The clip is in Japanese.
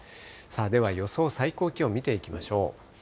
では予想最高気温見ていきましょう。